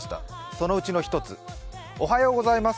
そのうちの１つ、おはようございます。